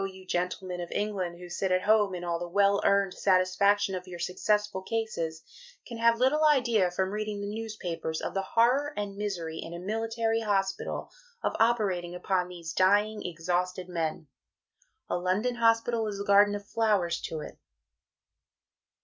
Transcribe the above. you Gentlemen of England who sit at Home in all the well earned satisfaction of your successful cases, can have little Idea from reading the newspapers of the Horror and Misery (in a Military Hospital) of operating upon these dying, exhausted men. A London Hospital is a Garden of Flowers to it.